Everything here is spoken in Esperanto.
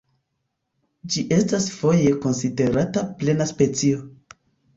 Ĝi estas foje konsiderata plena specio.